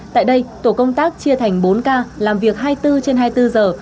tại đây tổ công tác chia thành bốn ca làm việc hai mươi bốn trên hai mươi bốn giờ